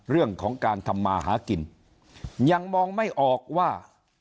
เรื่องของการทำมาหากินยังมองไม่ออกว่า